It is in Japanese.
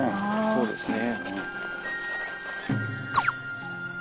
そうですね。